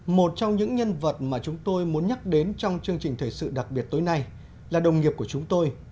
một trong những nhân vật mà chúng tôi muốn nhắc đến trong chương trình thời sự đặc biệt tối nay là đồng nghiệp của chúng tôi